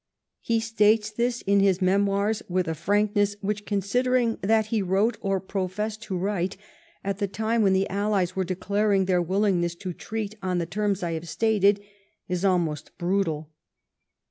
He states this in his memoirs with a frank ness which, considering that he wrote, or professed to write, at the time when the Allies were declaring their willingness to treat on the terms 1 have stated, is almost brutal.